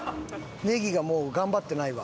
ネギがもう頑張ってないわ。